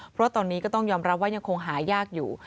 เพราะตอนนี้ก็ต้องยอมรับว่ายังคงหายากอยู่